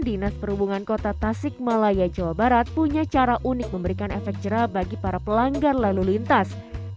dinas perhubungan kota tasik malaya jawa barat punya cara unik memberikan efek jerah bagi para pelanggar lalu lintas